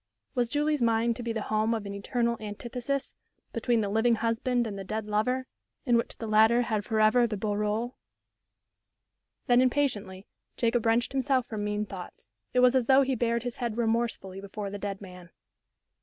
Was Julie's mind to be the home of an eternal antithesis between the living husband and the dead lover in which the latter had forever the beau rôle? Then, impatiently, Jacob wrenched himself from mean thoughts. It was as though he bared his head remorse fully before the dead man.